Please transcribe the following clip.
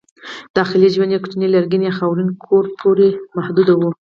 داخلي ژوند یې کوچني لرګین یا خاورین کور پورې محدود و.